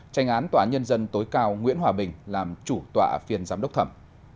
tranh án tòa án nhân dân tối cao nguyễn hòa bình làm chủ tọa phiên giám đốc thẩm